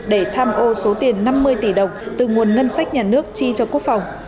để tham ô số tiền năm mươi tỷ đồng từ nguồn ngân sách nhà nước chi cho quốc phòng